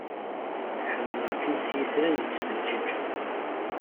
Ḥemmleɣ-kem s yitran i yettfeǧiǧen.